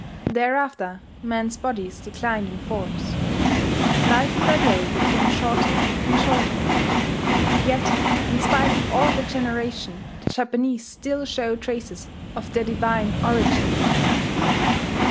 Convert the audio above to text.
Thereafter men's bodies declined in force; life gradually became shorter and shorter; yet in spite of all degeneration the Japanese still show traces of their divine origin.